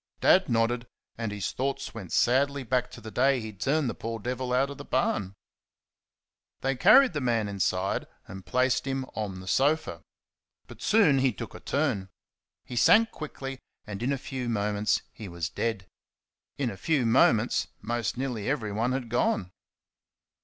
Dad nodded, and his thoughts went sadly back to the day he turned the poor devil out of the barn. They carried the man inside and placed him on the sofa. But soon he took a turn. He sank quickly, and in a few moments he was dead. In a few moments more nearly everyone had gone.